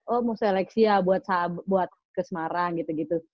oh mau seleksi ya buat ke semarang gitu gitu